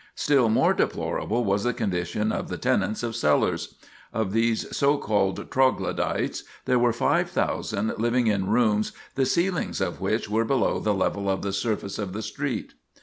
Still more deplorable was the condition of the tenants of cellars. Of these so called "Troglodytes" there were 5,000 living in rooms the ceilings of which were below the level of the surface of the street.